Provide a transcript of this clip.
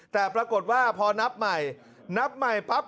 แต่ปรากฏว่าพอนับใหม่นับใหม่ปั๊บ